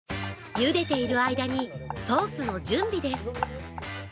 ゆでている間にソースの準備です。